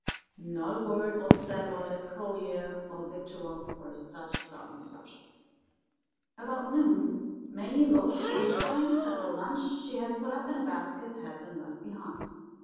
Not a word was said about Ed Collier or victuals or such solemn subjects. About noon Mame looks and finds that the lunch she had put up in a basket had been left behind.